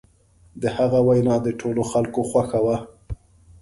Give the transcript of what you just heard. د هغه وینا د ټولو خلکو خوښه وه.